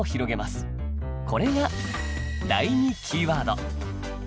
これが第２キーワード。